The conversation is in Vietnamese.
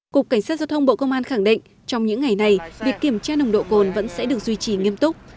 cục cảnh sát giao thông bộ công an khẳng định trong những ngày này việc kiểm tra nồng độ cồn vẫn sẽ được duy trì nghiêm túc